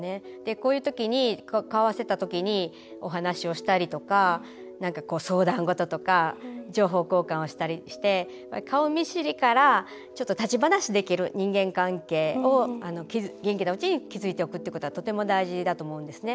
こういう時に顔を合わせた時にお話をしたり相談事とか情報交換したりして顔見知りからちょっと立ち話できる人間関係を元気なうちに築いておくというのはとても大事だと思うんですね。